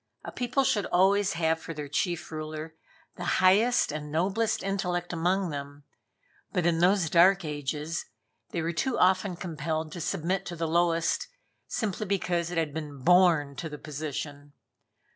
A people should always have for their chief ruler the highest and noblest intellect among them, but in those dark ages they were too often compelled to submit to the lowest, simply because it had been born to the position.